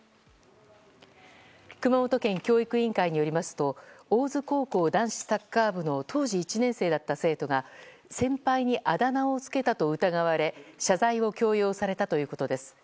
熊本県教育委員会によりますと大津高校男子サッカー部の当時１年生だった生徒が先輩にあだ名をつけたと疑われ謝罪を強要されたということです。